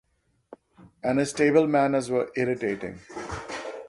And his table manners were irritating.